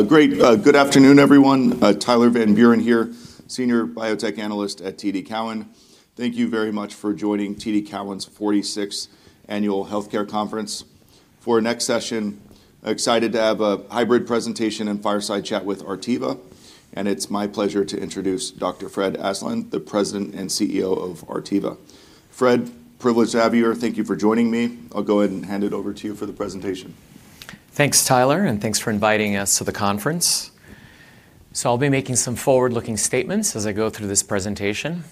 Great, good afternoon, everyone. Tyler Van Buren here, Senior Biotech Analyst at TD Cowen. Thank you very much for joining TD Cowen's 46th Annual Healthcare Conference. For our next session, excited to have a hybrid presentation and fireside chat with Artiva, and it's my pleasure to introduce Dr. Fred Aslan, the President and CEO of Artiva. Fred, privileged to have you here. Thank you for joining me. I'll go ahead and hand it over to you for the presentation. Thanks, Tyler, and thanks for inviting us to the conference. I'll be making some forward-looking statements as I go through this presentation.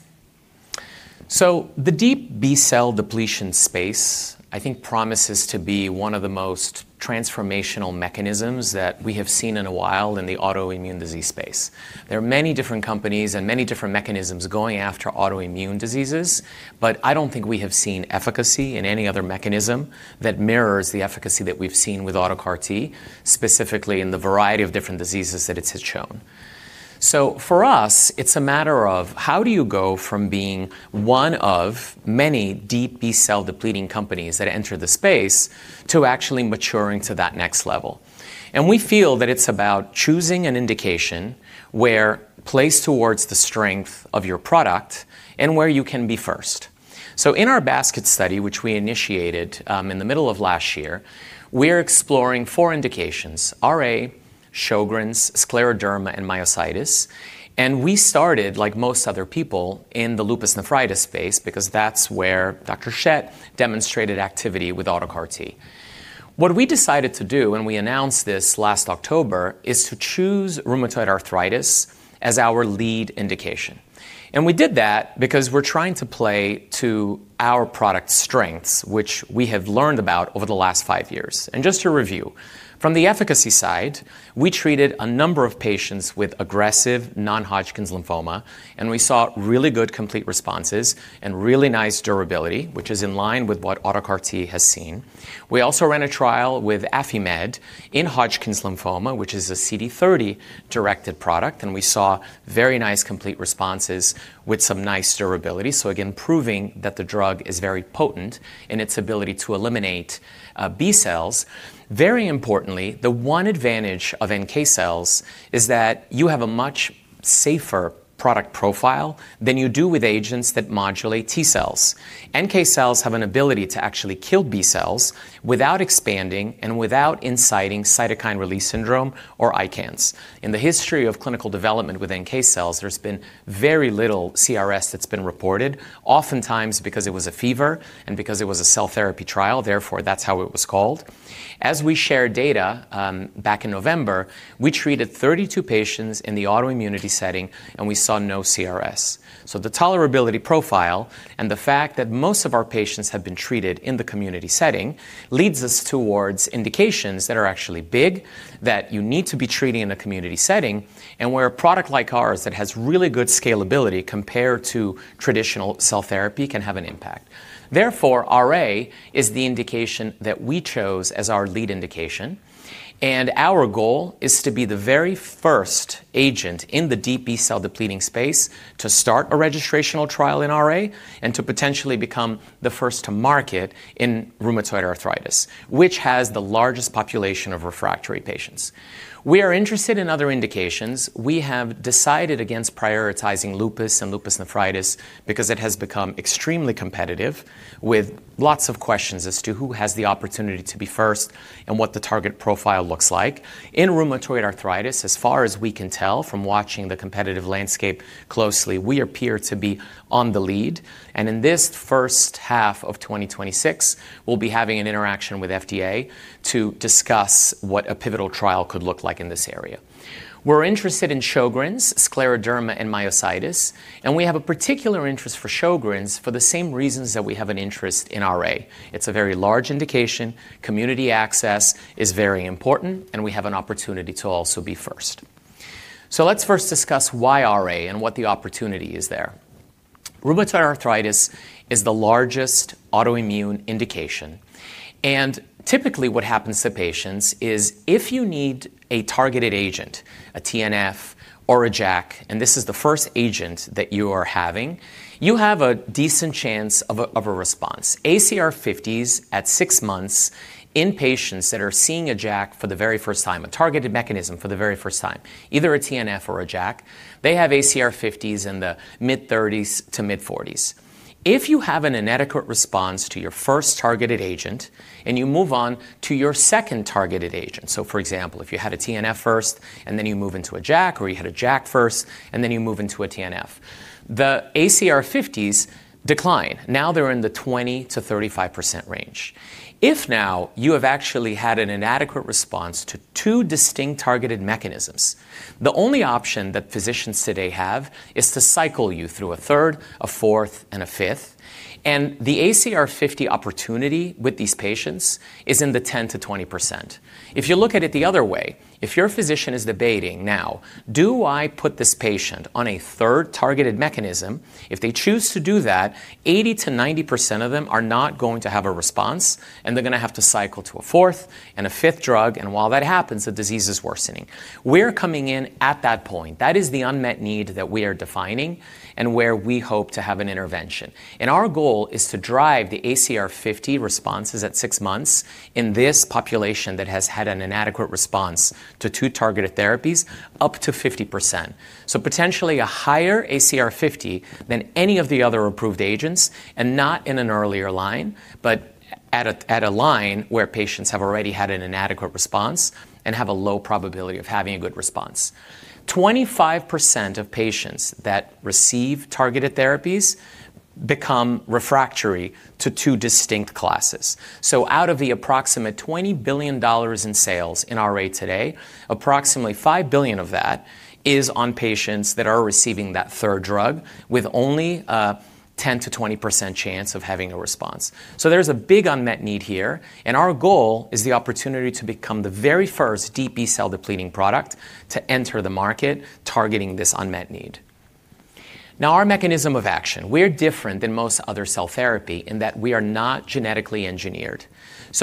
The deep B-cell depletion space, I think promises to be one of the most transformational mechanisms that we have seen in a while in the autoimmune disease space. There are many different companies and many different mechanisms going after autoimmune diseases, but I don't think we have seen efficacy in any other mechanism that mirrors the efficacy that we've seen with autologous CAR T, specifically in the variety of different diseases that it has shown. For us, it's a matter of how do you go from being one of many deep B-cell depleting companies that enter the space to actually maturing to that next level? We feel that it's about choosing an indication where place towards the strength of your product and where you can be first. In our basket study, which we initiated, in the middle of last year, we're exploring four indications: RA, Sjögren's, scleroderma, and myositis. We started, like most other people, in the lupus nephritis space because that's where Dr. Sheth demonstrated activity with AutoCAR T. What we decided to do, and we announced this last October, is to choose rheumatoid arthritis as our lead indication. We did that because we're trying to play to our product strengths, which we have learned about over the last five years. Just to review, from the efficacy side, we treated a number of patients with aggressive non-Hodgkin's lymphoma, and we saw really good complete responses and really nice durability, which is in line with what AutoCAR T has seen. We also ran a trial with Affimed in Hodgkin's lymphoma, which is a CD30-directed product, and we saw very nice complete responses with some nice durability. Again, proving that the drug is very potent in its ability to eliminate B cells. Very importantly, the one advantage of NK cells is that you have a much safer product profile than you do with agents that modulate T cells. NK cells have an ability to actually kill B cells without expanding and without inciting cytokine release syndrome or ICANS. In the history of clinical development with NK cells, there's been very little CRS that's been reported, oftentimes because it was a fever and because it was a cell therapy trial, therefore, that's how it was called. As we shared data, back in November, we treated 32 patients in the autoimmunity setting, and we saw no CRS. The tolerability profile and the fact that most of our patients have been treated in the community setting leads us towards indications that are actually big, that you need to be treating in a community setting, and where a product like ours that has really good scalability compared to traditional cell therapy can have an impact. RA is the indication that we chose as our lead indication, and our goal is to be the very first agent in the deep B-cell depleting space to start a registrational trial in RA and to potentially become the first to market in rheumatoid arthritis, which has the largest population of refractory patients. We are interested in other indications. We have decided against prioritizing lupus and lupus nephritis because it has become extremely competitive with lots of questions as to who has the opportunity to be first and what the target profile looks like. In rheumatoid arthritis, as far as we can tell from watching the competitive landscape closely, we appear to be on the lead. In this first half of 2026, we'll be having an interaction with FDA to discuss what a pivotal trial could look like in this area. We're interested in Sjögren's, scleroderma, and myositis, and we have a particular interest for Sjögren's for the same reasons that we have an interest in RA. It's a very large indication, community access is very important, and we have an opportunity to also be first. Let's first discuss why RA and what the opportunity is there. Rheumatoid arthritis is the largest autoimmune indication, and typically what happens to patients is if you need a targeted agent, a TNF or a JAK, and this is the first agent that you are having, you have a decent chance of a response. ACR50s at six months in patients that are seeing a JAK for the very first time, a targeted mechanism for the very first time, either a TNF or a JAK, they have ACR50s in the mid-30s to mid-40s. If you have an inadequate response to your first targeted agent and you move on to your second targeted agent, so for example, if you had a TNF first and then you move into a JAK, or you had a JAK first and then you move into a TNF, the ACR fifties decline. Now they're in the 20%-35% range. If now you have actually had an inadequate response to two distinct targeted mechanisms, the only option that physicians today have is to cycle you through a third, a fourth, and a fifth. The ACR fifty opportunity with these patients is in the 10%-20%. If you look at it the other way, if your physician is debating, "Now, do I put this patient on a third targeted mechanism?" If they choose to do that, 80%-90% of them are not going to have a response, and they're gonna have to cycle to a fourth and a fifth drug, and while that happens, the disease is worsening. We're coming in at that point. That is the unmet need that we are defining and where we hope to have an intervention. Our goal is to drive the ACR50 responses at six months in this population that has had an inadequate response to two targeted therapies up to 50%. Potentially a higher ACR50 than any of the other approved agents, and not in an earlier line, but at a line where patients have already had an inadequate response and have a low probability of having a good response. 25% of patients that receive targeted therapies become refractory to two distinct classes. Out of the approximate $20 billion in sales in RA today, approximately $5 billion of that is on patients that are receiving that third drug with only a 10%-20% chance of having a response. There's a big unmet need here, and our goal is the opportunity to become the very first B-cell depleting product to enter the market targeting this unmet need. Our mechanism of action, we're different than most other cell therapy in that we are not genetically engineered.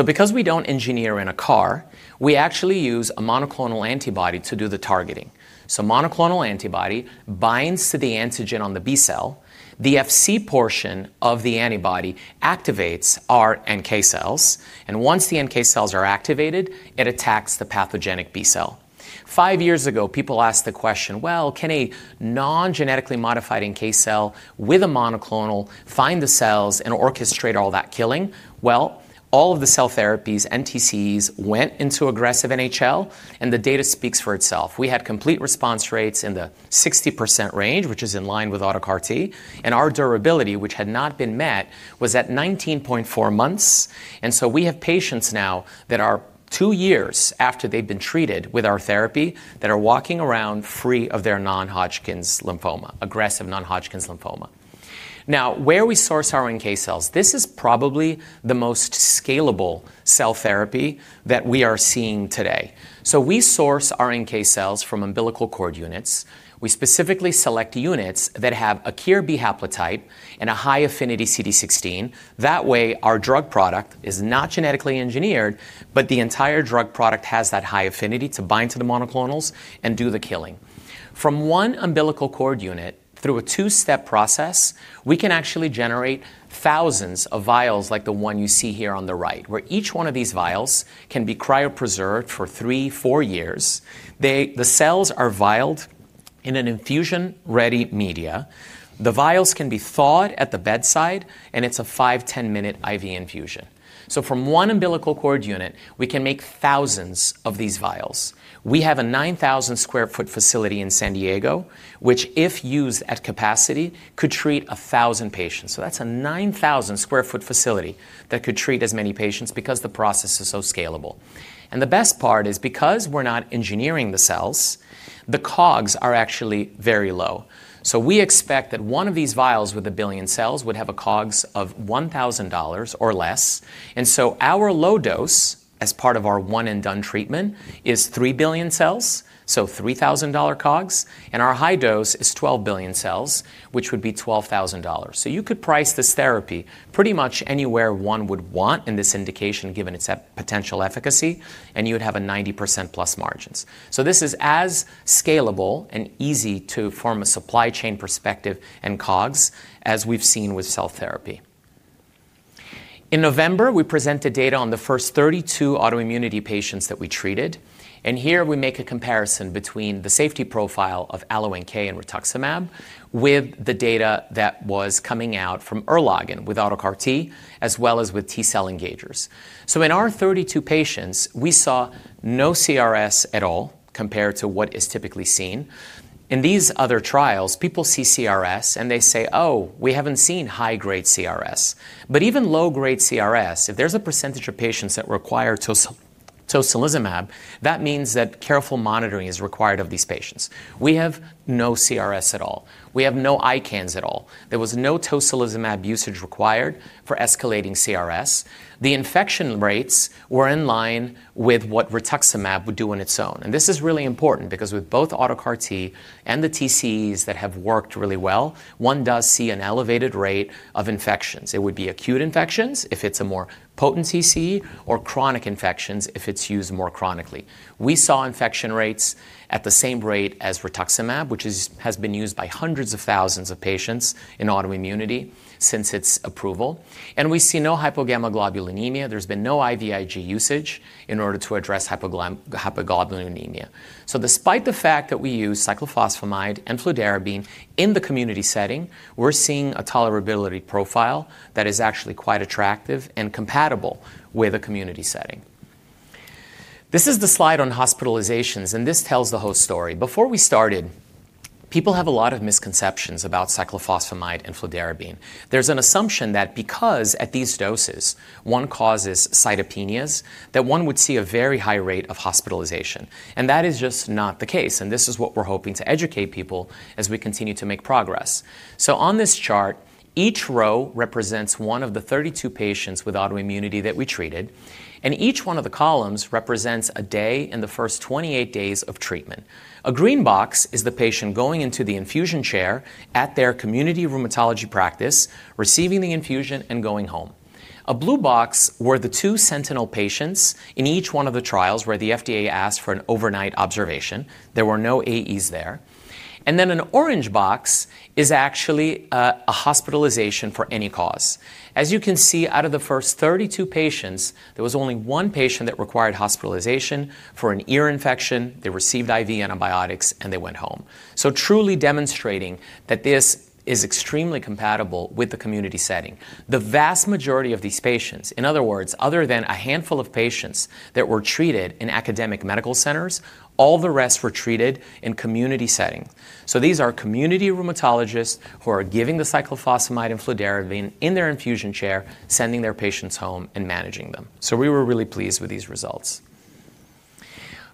Because we don't engineer in a CAR, we actually use a monoclonal antibody to do the targeting. Monoclonal antibody binds to the antigen on the B-cell. The FC portion of the antibody activates our NK cells, and once the NK cells are activated, it attacks the pathogenic B-cell. five years ago, people asked the question, "Well, can a non-genetically modified NK cell with a monoclonal find the cells and orchestrate all that killing?" Well, all of the cell therapies, NTCs, went into aggressive NHL, and the data speaks for itself. We had complete response rates in the 60% range, which is in line with AutoCAR T. Our durability, which had not been met, was at 19.4 months. We have patients now that are two years after they've been treated with our therapy that are walking around free of their non-Hodgkin's lymphoma, aggressive non-Hodgkin's lymphoma. Now, where we source our NK cells, this is probably the most scalable cell therapy that we are seeing today. We source our NK cells from umbilical cord units. We specifically select units that have a KIR-B haplotype and a high-affinity CD16. That way, our drug product is not genetically engineered, but the entire drug product has that high affinity to bind to the monoclonals and do the killing. From one umbilical cord unit through a two-step process, we can actually generate thousands of vials like the one you see here on the right, where each one of these vials can be cryopreserved for three, four years. The cells are vialed in an infusion-ready media. The vials can be thawed at the bedside, and it's a five, 10-minute IV infusion. From one umbilical cord unit, we can make thousands of these vials. We have a 9,000 sq ft facility in San Diego, which if used at capacity, could treat 1,000 patients. That's a 9,000 sq ft facility that could treat as many patients because the process is so scalable. The best part is because we're not engineering the cells, the COGS are actually very low. We expect that 1 of these vials with 1 billion cells would have a COGS of $1,000 or less. Our low dose as part of our one-and-done treatment is 3 billion cells, so $3,000 COGS. Our high dose is 12 billion cells, which would be $12,000. You could price this therapy pretty much anywhere one would want in this indication, given its potential efficacy, and you would have a 90%+ margins. This is as scalable and easy to form a supply chain perspective and COGS as we've seen with cell therapy. In November, we presented data on the 1st 32 autoimmunity patients that we treated, and here we make a comparison between the safety profile of AlloNK and Rituximab with the data that was coming out from Erlangen with autologous CAR T as well as with T-cell engagers. In our 32 patients, we saw no CRS at all compared to what is typically seen. Even low-grade CRS, if there's a percentage of patients that require TOCILIZUMAB, that means that careful monitoring is required of these patients. We have no CRS at all. We have no ICANS at all. There was no TOCILIZUMAB, usage required for escalating CRS. The infection rates were in line with what RITUXIMAB would do on its own. This is really important because with both AutoCAR T and the TCs that have worked really well, one does see an elevated rate of infections. It would be acute infections if it's a more potent TC or chronic infections if it's used more chronically. We saw infection rates at the same rate as RITUXMAB, which has been used by hundreds of thousands of patients in autoimmunity since its approval. We see no HYPOGAMMAGLOBULINEMIA. There's been no IVIG usage in order to address HYPOGAMMAGLOBULINEMIA.. Despite the fact that we use CYCLOPHOSPHAMIDE and FLUDARABINE in the community setting, we're seeing a tolerability profile that is actually quite attractive and compatible with a community setting. This is the slide on hospitalizations, and this tells the whole story. Before we started, people have a lot of misconceptions about CYCLOPHOSPHAMIDE and FLUDARABINE. There's an assumption that because at these doses, one causes cytopenias, that one would see a very high rate of hospitalization. That is just not the case, and this is what we're hoping to educate people as we continue to make progress. On this chart, each row represents one of the 32 patients with autoimmunity that we treated, and each one of the columns represents a day in the first 28 days of treatment. A green box is the patient going into the infusion chair at their community rheumatology practice, receiving the infusion, and going home. A blue box were the two sentinel patients in each one of the trials where the FDA asked for an overnight observation. There were no AEs there. Then an orange box is actually a hospitalization for any cause. As you can see, out of the first 32 patients, there was only 1 patient that required hospitalization for an ear infection. They received IV antibiotics, and they went home. Truly demonstrating that this is extremely compatible with the community setting. The vast majority of these patients, in other words, other than a handful of patients that were treated in academic medical centers, all the rest were treated in community setting. These are community rheumatologists who are giving the CYCLOPHOSPHAMIDE and FLUDARABINE in their infusion chair, sending their patients home, and managing them. We were really pleased with these results.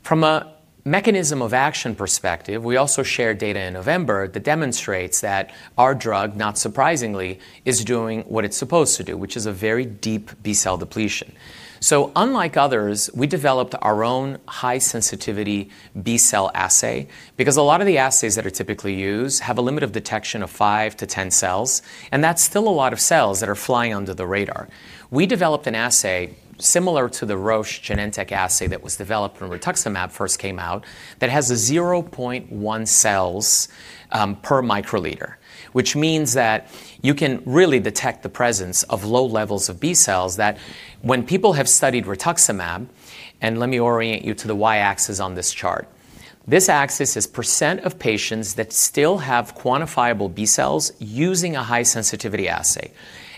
From a mechanism of action perspective, we also shared data in November that demonstrates that our drug, not surprisingly, is doing what it's supposed to do, which is a very deep B-cell depletion. Unlike others, we developed our own high sensitivity B-cell assay because a lot of the assays that are typically used have a limit of detection of 5-10 cells, and that's still a lot of cells that are flying under the radar. We developed an assay similar to the Roche Genentech assay that was developed when Rituximab first came out, that has a 0.1 cells per microliter, which means that you can really detect the presence of low levels of B cells that when people have studied RITUXMAB. Let me orient you to the y-axis on this chart. This axis is % of patients that still have quantifiable B cells using a high sensitivity assay.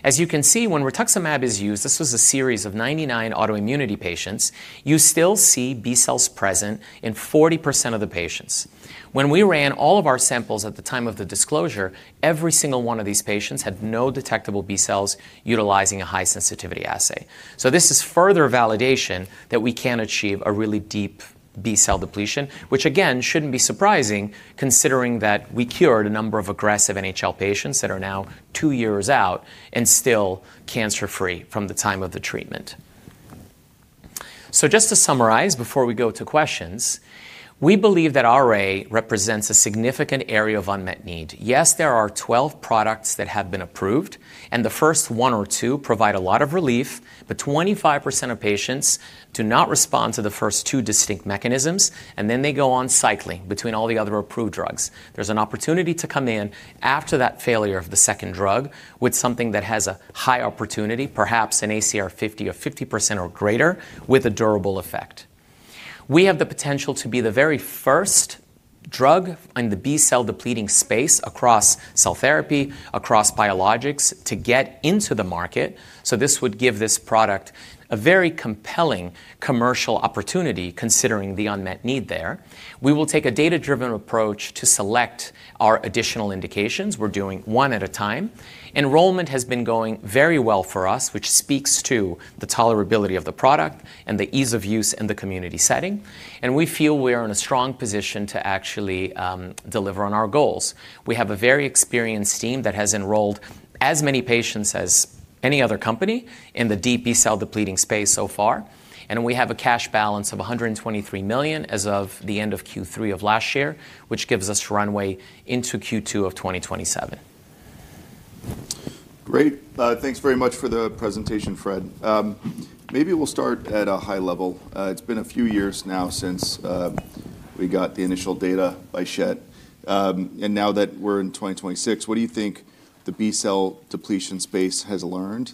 As you can see, when RITUXMAB is used, this was a series of 99 autoimmunity patients, you still see B cells present in 40% of the patients. When we ran all of our samples at the time of the disclosure, every single one of these patients had no detectable B cells utilizing a high sensitivity assay. This is further validation that we can achieve a really deep B-cell depletion, which again, shouldn't be surprising considering that we cured a number of aggressive NHL patients that are now two years out and still cancer-free from the time of the treatment. Just to summarize before we go to questions, we believe that our A represents a significant area of unmet need. Yes, there are 12 products that have been approved, and the first one or two provide a lot of relief, but 25% of patients do not respond to the first two distinct mechanisms, and then they go on cycling between all the other approved drugs. There's an opportunity to come in after that failure of the second drug with something that has a high opportunity, perhaps an ACR50 or 50% or greater with a durable effect. We have the potential to be the very first drug in the B-cell depleting space across cell therapy, across biologics to get into the market. This would give this product a very compelling commercial opportunity considering the unmet need there. We will take a data-driven approach to select our additional indications. We're doing one at a time. Enrollment has been going very well for us, which speaks to the tolerability of the product and the ease of use in the community setting, and we feel we are in a strong position to actually deliver on our goals. We have a very experienced team that has enrolled as many patients as any other company in the deep B-cell depleting space so far. We have a cash balance of $123 million as of the end of Q3 of last year, which gives us runway into Q2 of 2027. Great. Thanks very much for the presentation, Fred. Maybe we'll start at a high level. It's been a few years now since we got the initial data by Dr. Sheth. Now that we're in 2026, what do you think the B-cell depletion space has learned,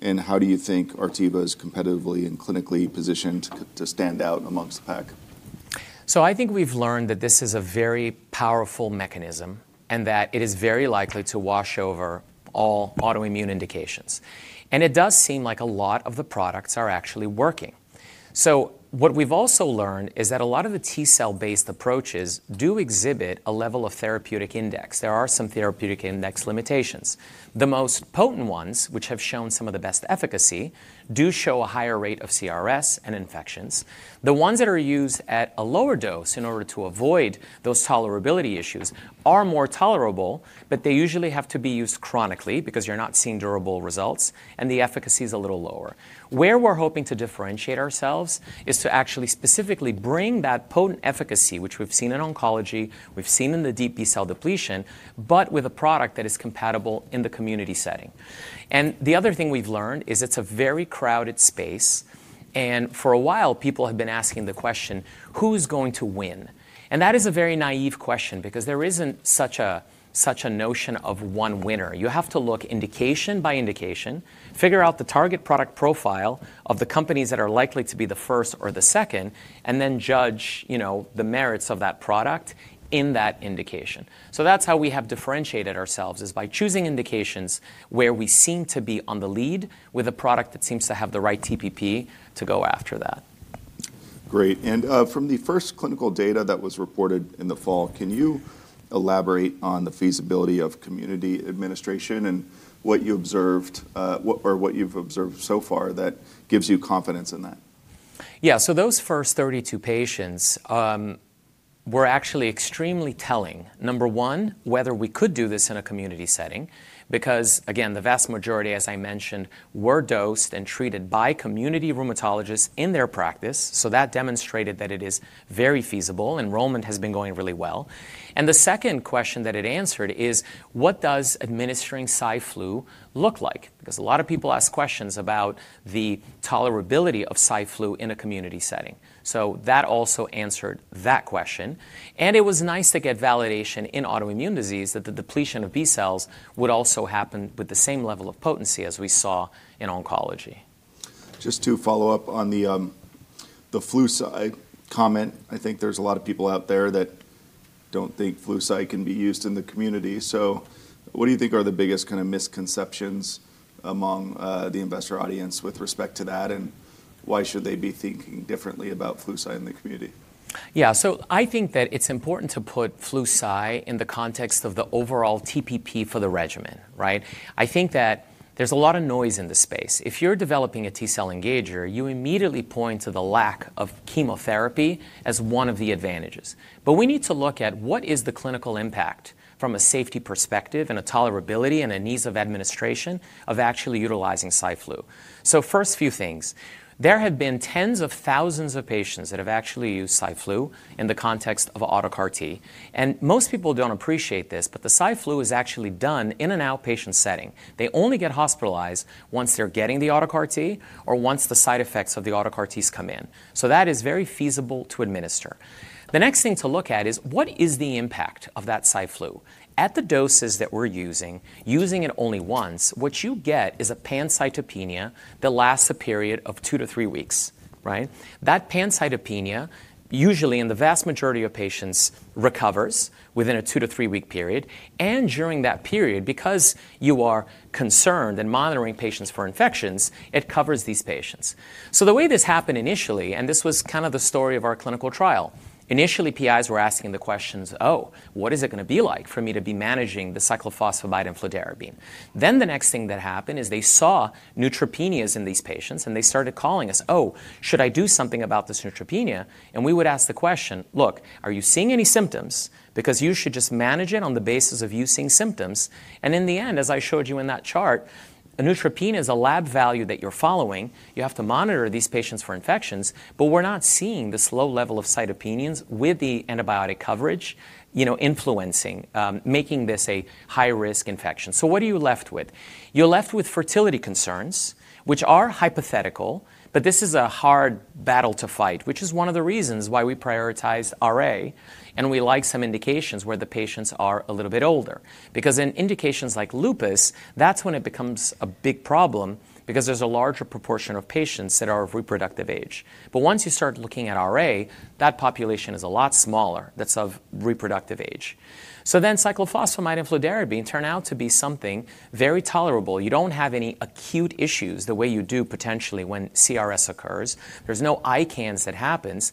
and how do you think Artiva is competitively and clinically positioned to stand out amongst the pack? I think we've learned that this is a very powerful mechanism and that it is very likely to wash over all autoimmune indications. It does seem like a lot of the products are actually working. What we've also learned is that a lot of the T-cell-based approaches do exhibit a level of therapeutic index. There are some therapeutic index limitations. The most potent ones, which have shown some of the best efficacy, do show a higher rate of CRS and infections. The ones that are used at a lower dose in order to avoid those tolerability issues are more tolerable, but they usually have to be used chronically because you're not seeing durable results, and the efficacy is a little lower. Where we're hoping to differentiate ourselves is to actually specifically bring that potent efficacy, which we've seen in oncology, we've seen in the deep B-cell depletion, but with a product that is compatible in the community setting. The other thing we've learned is it's a very crowded space. For a while, people have been asking the question, "Who's going to win?" That is a very naive question because there isn't such a notion of one winner. You have to look indication by indication, figure out the target product profile of the companies that are likely to be the first or the second, and then judge, you know, the merits of that product in that indication. That's how we have differentiated ourselves, is by choosing indications where we seem to be on the lead with a product that seems to have the right TPP to go after that. Great. From the first clinical data that was reported in the fall, can you elaborate on the feasibility of community administration and what you observed, or what you've observed so far that gives you confidence in that? Those first 32 patients were actually extremely telling, number one, whether we could do this in a community setting, because again, the vast majority, as I mentioned, were dosed and treated by community rheumatologists in their practice. That demonstrated that it is very feasible. Enrollment has been going really well. The second question that it answered is, what does administering Cy/Flu look like? A lot of people ask questions about the tolerability of Cy/Flu in a community setting. That also answered that question. It was nice to get validation in autoimmune disease that the depletion of B cells would also happen with the same level of potency as we saw in oncology. Just to follow up on the Flu/Cy comment, I think there's a lot of people out there that don't think Flu/Cy can be used in the community. What do you think are the biggest kind of misconceptions among the investor audience with respect to that, and why should they be thinking differently about Flu/Cy in the community? I think that it's important to put Flu/Cy in the context of the overall TPP for the regimen, right? I think that there's a lot of noise in the space. If you're developing a T-cell engager, you immediately point to the lack of chemotherapy as one of the advantages. We need to look at what is the clinical impact from a safety perspective, and a tolerability, and an ease of administration of actually utilizing Cy/Flu. First few things. There have been tens of thousands of patients that have actually used Cy/Flu in the context of auto CAR T. Most people don't appreciate this, but the Cy/Flu is actually done in an outpatient setting. They only get hospitalized once they're getting the auto CAR T or once the side effects of the auto CAR Ts come in. That is very feasible to administer. The next thing to look at is what is the impact of that Cy/Flu? At the doses that we're using it only once, what you get is a pancytopenia that lasts a period of two to three weeks, right? That pancytopenia, usually in the vast majority of patients, recovers within a two to three-week period. During that period, because you are concerned and monitoring patients for infections, it covers these patients. The way this happened initially, and this was kind of the story of our clinical trial, initially PIs were asking the questions, "Oh, what is it gonna be like for me to be managing the CYCLOPHOSPHAMIDE and FLUDARABINE ?" The next thing that happened is they saw neutropenias in these patients, and they started calling us, "Oh, should I do something about this neutropenia?" We would ask the question, "Look, are you seeing any symptoms? Because you should just manage it on the basis of you seeing symptoms." In the end, as I showed you in that chart, a neutropenia is a lab value that you're following. You have to monitor these patients for infections, but we're not seeing this low level of cytopenias with the antibiotic coverage, you know, influencing, making this a high-risk infection. What are you left with? You're left with fertility concerns, which are hypothetical, but this is a hard battle to fight, which is one of the reasons why we prioritize RA and we like some indications where the patients are a little bit older. Because in indications like lupus, that's when it becomes a big problem because there's a larger proportion of patients that are of reproductive age. But once you start looking at RA, that population is a lot smaller, that's of reproductive age. CYCLOPHOSPHAMIDE and FLUDARABINEturn out to be something very tolerable. You don't have any acute issues the way you do potentially when CRS occurs. There's no ICANS that happens.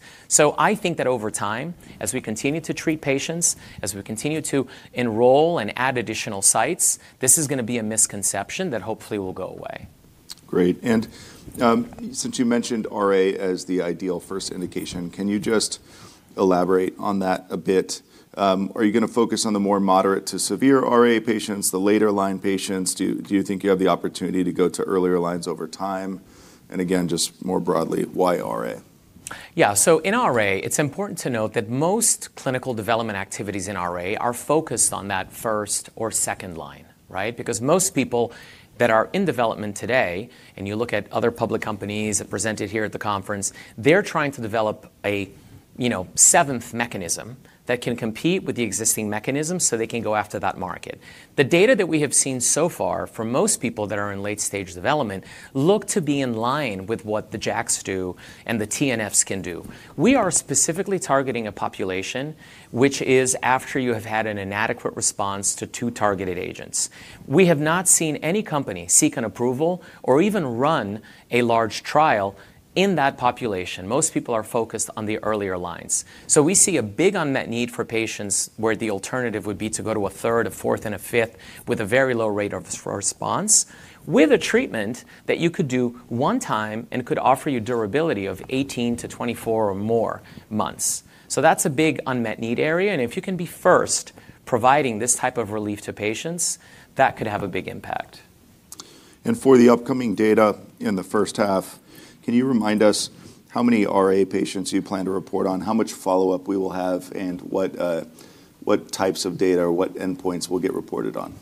I think that over time, as we continue to treat patients, as we continue to enroll and add additional sites, this is gonna be a misconception that hopefully will go away. Great. Since you mentioned RA as the ideal first indication, can you just elaborate on that a bit? Are you gonna focus on the more moderate to severe RA patients, the later line patients? Do you think you have the opportunity to go to earlier lines over time? Again, just more broadly, why RA? In RA, it's important to note that most clinical development activities in RA are focused on that first or second line, right? Most people that are in development today, and you look at other public companies that presented here at the conference, they're trying to develop a, you know, seventh mechanism that can compete with the existing mechanisms, so they can go after that market. The data that we have seen so far from most people that are in late-stage development look to be in line with what the JAKs do and the TNFs can do. We are specifically targeting a population, which is after you have had an inadequate response to two targeted agents. We have not seen any company seek an approval or even run a large trial in that population. Most people are focused on the earlier lines. We see a big unmet need for patients where the alternative would be to go to a third, a fourth, and a fifth with a very low rate of response with a treatment that you could do one time and could offer you durability of 18-24 or more months. That's a big unmet need area, and if you can be first providing this type of relief to patients, that could have a big impact. For the upcoming data in the first half, can you remind us how many RA patients you plan to report on, how much follow-up we will have, and what types of data or what endpoints will get reported on?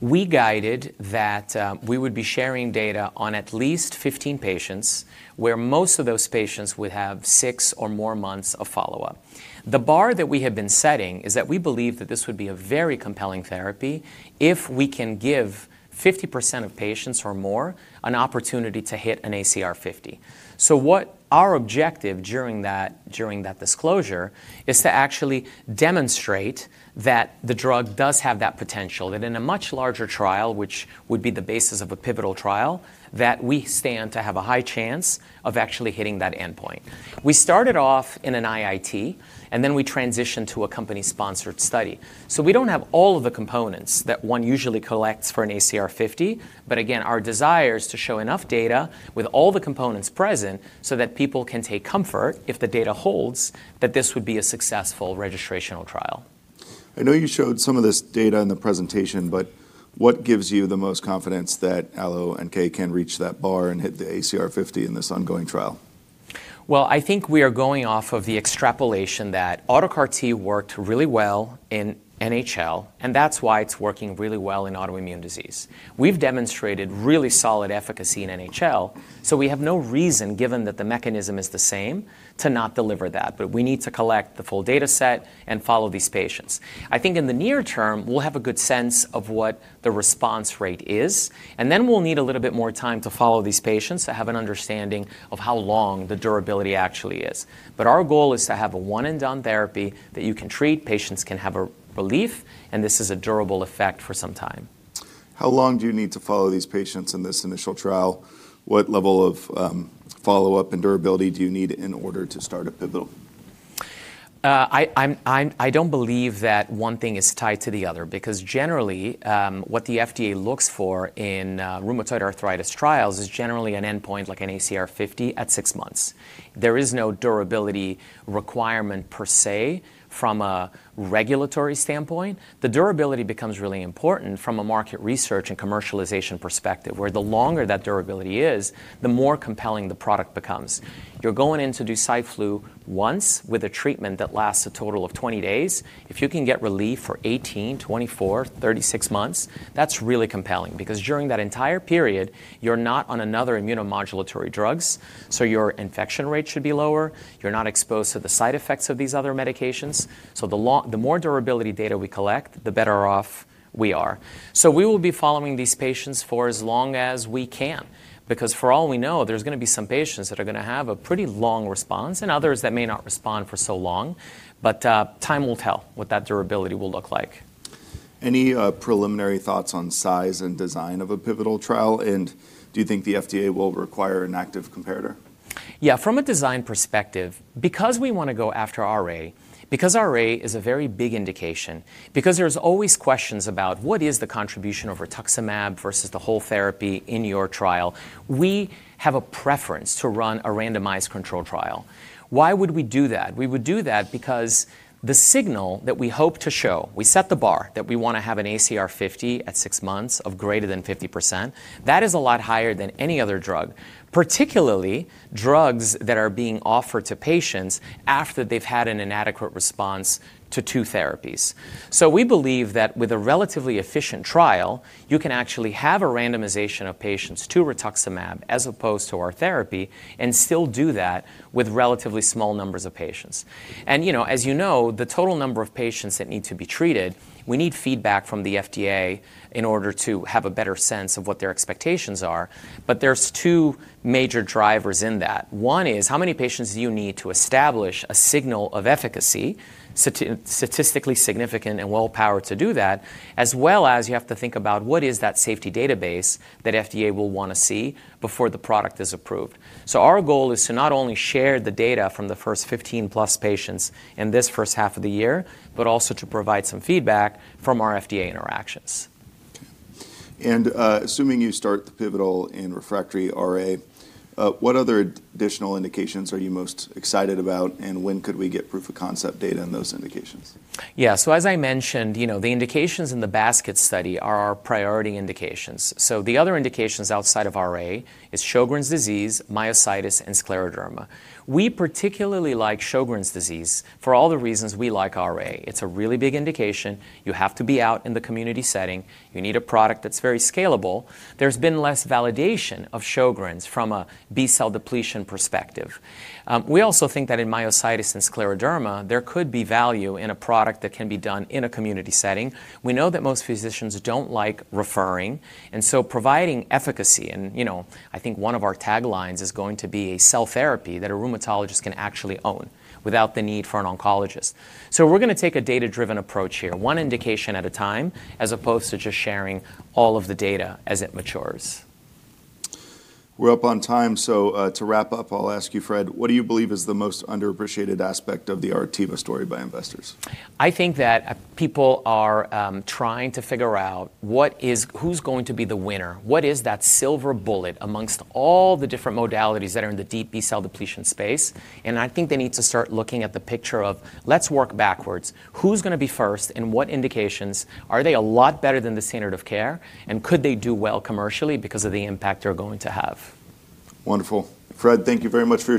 We guided that we would be sharing data on at least 15 patients, where most of those patients would have 6 or more months of follow-up. The bar that we have been setting is that we believe that this would be a very compelling therapy if we can give 50% of patients or more an opportunity to hit an ACR50. What our objective during that, during that disclosure is to actually demonstrate that the drug does have that potential, that in a much larger trial, which would be the basis of a pivotal trial, that we stand to have a high chance of actually hitting that endpoint. We started off in an IIT, and then we transitioned to a company-sponsored study. We don't have all of the components that one usually collects for an ACR 50, but again, our desire is to show enough data with all the components present so that people can take comfort if the data holds that this would be a successful registrational trial. I know you showed some of this data in the presentation. What gives you the most confidence that AlloNK can reach that bar and hit the ACR50 in this ongoing trial? I think we are going off of the extrapolation that autologous CAR T worked really well in NHL, and that's why it's working really well in autoimmune disease. We've demonstrated really solid efficacy in NHL, so we have no reason, given that the mechanism is the same, to not deliver that, but we need to collect the full data set and follow these patients. I think in the near term, we'll have a good sense of what the response rate is, and then we'll need a little bit more time to follow these patients to have an understanding of how long the durability actually is. Our goal is to have a one-and-done therapy that you can treat, patients can have a relief, and this is a durable effect for some time. How long do you need to follow these patients in this initial trial? What level of follow-up and durability do you need in order to start a pivotal? I don't believe that one thing is tied to the other because generally, what the FDA looks for in rheumatoid arthritis trials is generally an endpoint like an ACR50 at six months. There is no durability requirement per se from a regulatory standpoint. The durability becomes really important from a market research and commercialization perspective, where the longer that durability is, the more compelling the product becomes. You're going in to do Cy/Flu once with a treatment that lasts a total of 20 days. If you can get relief for 18, 24, 36 months, that's really compelling because during that entire period, you're not on another immunomodulatory drugs, so your infection rate should be lower. You're not exposed to the side effects of these other medications. The more durability data we collect, the better off we are. We will be following these patients for as long as we can because for all we know, there's gonna be some patients that are gonna have a pretty long response and others that may not respond for so long. Time will tell what that durability will look like. Any preliminary thoughts on size and design of a pivotal trial? Do you think the FDA will require an active comparator? From a design perspective, because we wanna go after RA, because RA is a very big indication, because there's always questions about what is the contribution of Rituximab versus the whole therapy in your trial, we have a preference to run a randomized control trial. Why would we do that? We would do that because the signal that we hope to show, we set the bar that we wanna have an ACR50 at six months of greater than 50%. That is a lot higher than any other drug, particularly drugs that are being offered to patients after they've had an inadequate response to two therapies. We believe that with a relatively efficient trial, you can actually have a randomization of patients to RITUXIMAB as opposed to our therapy, and still do that with relatively small numbers of patients. You know, as you know, the total number of patients that need to be treated, we need feedback from the FDA in order to have a better sense of what their expectations are, but there's two major drivers in that. One is, how many patients do you need to establish a signal of efficacy, statistically significant and well-powered to do that, as well as you have to think about what is that safety database that FDA will wanna see before the product is approved? Our goal is to not only share the data from the first 15+ patients in this first half of the year, but also to provide some feedback from our FDA interactions. Assuming you start the pivotal in refractory RA, what other additional indications are you most excited about, and when could we get proof of concept data in those indications? Yeah. As I mentioned, you know, the indications in the basket study are our priority indications. The other indications outside of RA is Sjögren's disease, myositis, and scleroderma. We particularly like Sjögren's disease for all the reasons we like RA. It's a really big indication. You have to be out in the community setting. You need a product that's very scalable. There's been less validation of Sjögren's from a B-cell depletion perspective. We also think that in myositis and scleroderma, there could be value in a product that can be done in a community setting. We know that most physicians don't like referring, providing efficacy and, you know, I think one of our taglines is going to be a cell therapy that a rheumatologist can actually own without the need for an oncologist. We're gonna take a data-driven approach here, one indication at a time, as opposed to just sharing all of the data as it matures. We're up on time, so, to wrap up, I'll ask you, Fred, what do you believe is the most underappreciated aspect of the Artiva story by investors? I think that people are trying to figure out who's going to be the winner? What is that silver bullet amongst all the different modalities that are in the deep B-cell depletion space? I think they need to start looking at the picture of, let's work backwards. Who's gonna be first, in what indications? Are they a lot better than the standard of care? Could they do well commercially because of the impact they're going to have? Wonderful. Fred, thank you very much for your time.